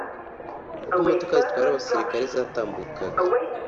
ubwo imodoka zitwara abasirikare zatambukaga